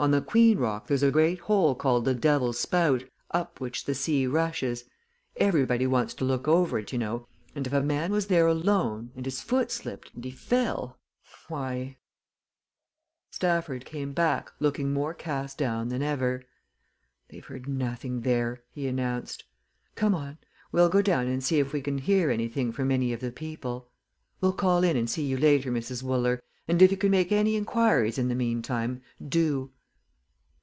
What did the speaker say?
On the Queen rock there's a great hole called the Devil's Spout, up which the sea rushes. Everybody wants to look over it, you know, and if a man was there alone, and his foot slipped, and he fell, why " Stafford came back, looking more cast down than ever. "They've heard nothing there," he announced. "Come on we'll go down and see if we can hear anything from any of the people. We'll call in and see you later, Mrs. Wooler, and if you can make any inquiries in the meantime, do.